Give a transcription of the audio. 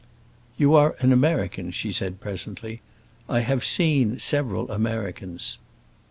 "You are an American?" she said presently. "I have seen several Americans."